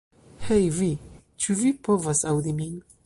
Hej vi, ĉu vi povas aŭdi min?